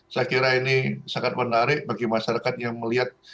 saya kira ini sangat menarik bagi masyarakat yang melihat